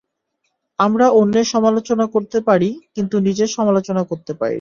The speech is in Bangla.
আমরা অন্যের সমালোচনা করতে পারি, কিন্তু নিজের সমালোচনা করতে পারি না।